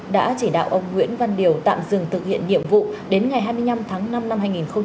đã chỉ đạo ông nguyễn văn điều tạm dừng thực hiện nhiệm vụ đến ngày hai mươi năm tháng năm năm hai nghìn hai mươi